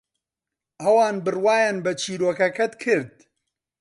ئەوان بڕوایان بە چیرۆکەکەت کرد.